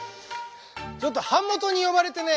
ちょっと版元に呼ばれてね。